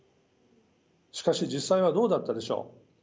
しかし実際はどうだったでしょう。